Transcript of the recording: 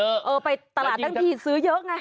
เออไปตลาดทั้งที่ซื้อเยอะไง